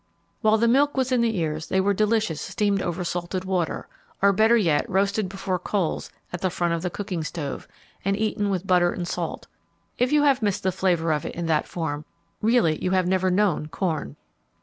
When the milk was in the ears, they were delicious steamed over salted water, or better yet roasted before coals at the front of the cooking stove, and eaten with butter and salt, if you have missed the flavour of it in that form, really you never have known corn!